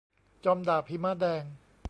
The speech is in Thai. จอมดาบหิมะแดง